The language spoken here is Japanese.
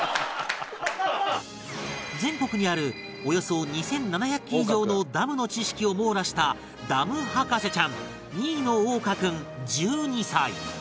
全国にあるおよそ２７００基以上のダムの知識を網羅したダム博士ちゃん新野央果君１２歳